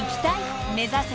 ［目指せ！